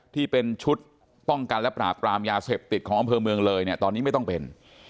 ที่เป็นชุดป้องกันและปราบกรามยาเสพติดของอำเภอเมืองเลยเนี่ยตอนนี้ไม่ต้องเป็น